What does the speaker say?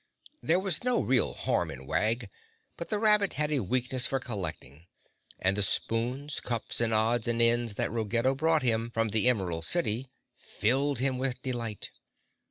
There was no real harm in Wag, but the rabbit had a weakness for collecting, and the spoons, cups and odds and ends that Ruggedo brought him from the Emerald City filled him with delight.